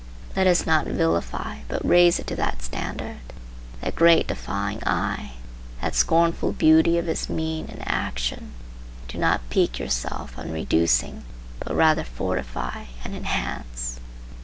Let us not vilify, but raise it to that standard. That great defying eye, that scornful beauty of his mien and action, do not pique yourself on reducing, but rather fortify and enhance.